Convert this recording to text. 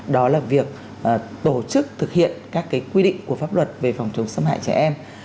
đó là việc tổ chức thực hiện các quy định của pháp luật về phòng chống xâm hại trẻ em